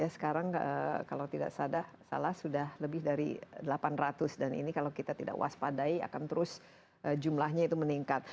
sekarang kalau tidak salah sudah lebih dari delapan ratus dan ini kalau kita tidak waspadai akan terus jumlahnya itu meningkat